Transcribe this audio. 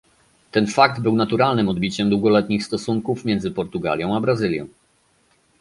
Ten fakt był naturalnym odbiciem długoletnich stosunków między Portugalią a Brazylią